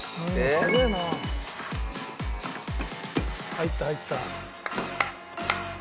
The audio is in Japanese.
入った入った。